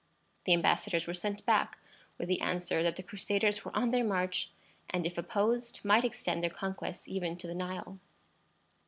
The embassadors were sent back with the answer that the Crusaders were on their march, and, if opposed, might extend their conquests even to the Nile.